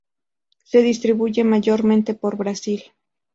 Se distribuye mayormente por Brasil.